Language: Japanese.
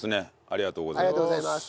ありがとうございます。